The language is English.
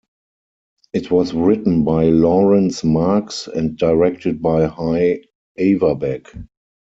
It was written by Laurence Marks and directed by Hy Averback.